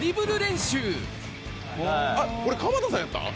これ鎌田さんやったん？